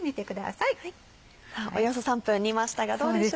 さぁおよそ３分煮ましたがどうでしょう。